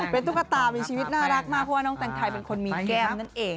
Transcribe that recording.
เป็นตุ๊กตามีชีวิตน่ารักมากเพราะว่าน้องแต่งไทยเป็นคนมีแก้มนั่นเอง